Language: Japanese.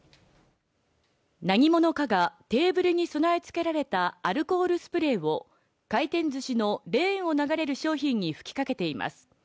何者かがテーブルに備え付けられたアルコールスプレーを、回転ずしのレーンを流れる商品に噴きかけています。